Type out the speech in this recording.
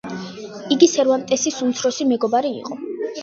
იგი სერვანტესის უმცროსი მეგობარი იყო.